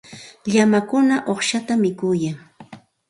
Llamakuna uqshatam mikuyan.